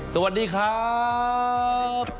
สวัสดีครับ